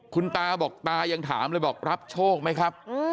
คุณตาบอกตายังถามเลยบอกรับโชคไหมครับ